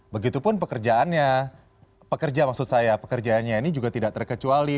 begitupun pekerjaannya pekerja maksud saya pekerjaannya ini juga tidak terkecuali